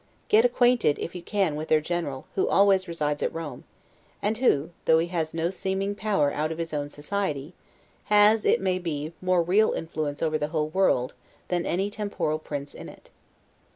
Get acquainted, if you can, with their General, who always resides at Rome; and who, though he has no seeming power out of his own society, has (it may be) more real influence over the whole world, than any temporal prince in it.